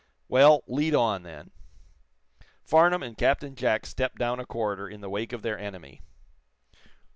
"Well, lead on, then." Farnum and Captain Jack stepped down a corridor in the wake of their enemy.